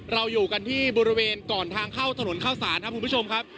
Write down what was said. เราอยู่กันที่บริเวณก่อนทางเข้าถนนเข้าสารครับคุณผู้ชมครับ